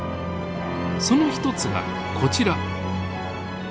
その一つがこちら。